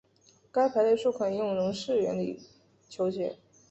该排列数可以用容斥原理求解。